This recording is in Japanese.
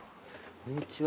こんにちは。